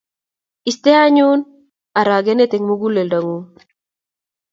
Iste anyun arageneet eng' muguleldang'ung'.